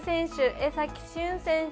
江崎駿選手